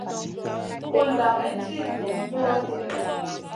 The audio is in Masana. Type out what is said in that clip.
Kulda may ci ziyn kulo ɗi.